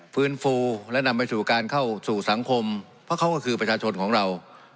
ฟื้นฟูและนำไปสู่การเข้าสู่สังคมเพราะเขาก็คือประชาชนของเรา